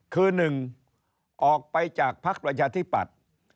คือ๑ออกไปจากพรรคประชาธิบัติ